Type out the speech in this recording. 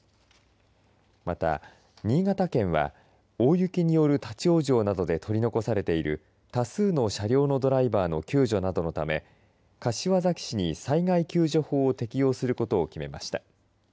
また、新潟県は大雪による立往生などで取り残されている多数の車両のドライバーの救助などのため柏崎市に災害救助法を適用することを決めました。